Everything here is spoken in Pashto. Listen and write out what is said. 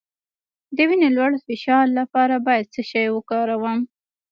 د وینې د لوړ فشار لپاره باید څه شی وکاروم؟